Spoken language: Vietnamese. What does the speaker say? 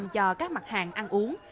cho các mặt hàng ăn uống